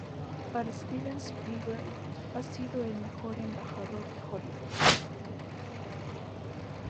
Para Steven Spielberg ha sido el mejor embajador de Hollywood.